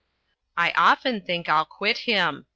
I often think I'll quit him.